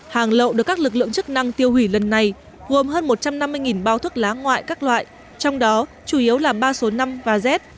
hàng lậu được các lực lượng chức năng tiêu hủy lần này gồm hơn một trăm năm mươi bao thuốc lá ngoại các loại trong đó chủ yếu là ba số năm và rét